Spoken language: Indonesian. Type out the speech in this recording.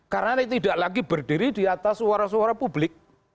karena tidak lagi berdiri di atas suara suara publik